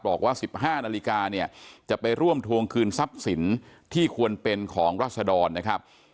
บอกว่า๑๕นาฬิกาเนี่ยจะไปร่วมทวงคืนทรัพย์สินที่ควรเป็นของรัศดรนะครับ